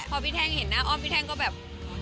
พอพี่แท่งเห็นหน้าอ้อมพี่แท่งก็แบบ